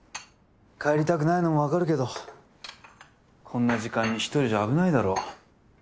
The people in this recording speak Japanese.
帰りたくないのもわかるけどこんな時間に一人じゃ危ないだろ。